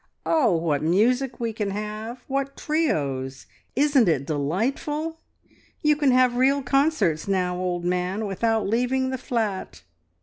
Oh, what music we can have, what trios! Isn't it delightful? You can have real concerts now, old man, without leaving the flat!"